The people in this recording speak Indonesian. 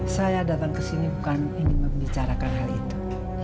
saya datang ke sini bukan ingin membicarakan hal itu